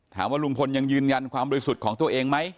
ลุงพลยังยืนยันความบริสุทธิ์ของตัวเองไหม